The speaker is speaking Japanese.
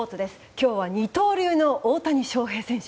今日は二刀流の大谷翔平選手。